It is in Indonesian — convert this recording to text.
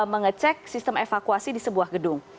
mengecek sistem evakuasi di sebuah gedung